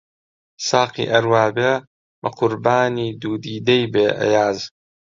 ساقی ئەر وا بێ بە قوربانی دوو دیدەی بێ، ئەیاز